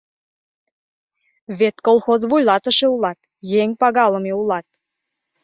Вет колхоз вуйлатыше улат, еҥ пагалыме улат.